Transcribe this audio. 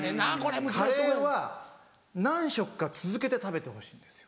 カレーは何食か続けて食べてほしいんですよ。